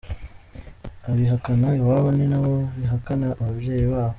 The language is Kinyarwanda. Abihakana iwabo ni nabo bihakana ababyeyi babo.